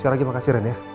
sekarang lagi makasih ren ya